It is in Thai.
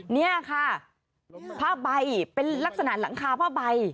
นี่ค่ะผ้าใบเป็นลักษณะหลังคาผ้าใบ